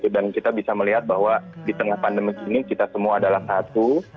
kita bisa melihat bahwa di tengah pandemi ini kita semua adalah satu